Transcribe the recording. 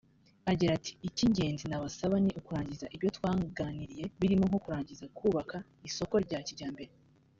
Agira ati “Icy’ingenzi nabasaba ni ukurangiza ibyo twanganiriye birimo nko kurangiza kubaka isoko rya Kijyambere